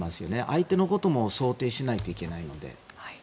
相手のことも想定しないといけないので。